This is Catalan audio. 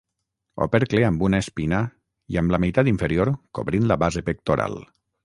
Opercle amb una espina i amb la meitat inferior cobrint la base pectoral.